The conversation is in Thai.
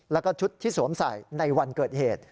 แล้วก็ชุดที่สวมใส่ในวันเกิดเหตุ